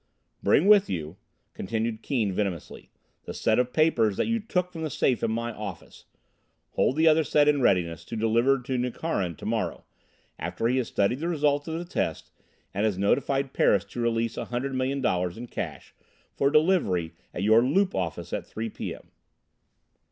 "Bring with you," continued Keane venomously, "the set of papers that you took from the safe in my office. Hold the other set in readiness to deliver to Nukharin to morrow, after he has studied the results of the test and has notified Paris to release a hundred million dollars in cash for delivery at your Loop office at 3 p. m."